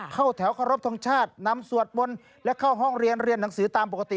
เข้าแถวขอรบทรงชาตินำสวดมนต์และเข้าห้องเรียนเรียนหนังสือตามปกติ